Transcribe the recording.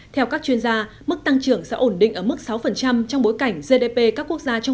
theo các chuyên gia mức tăng trưởng sẽ ổn định ở mức sáu trong bối cảnh gdp các quốc gia trong